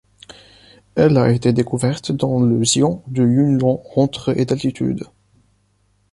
Elle a été découverte dans le xian de Yunlong entre et d'altitude.